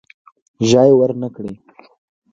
ژای ورنه کړي.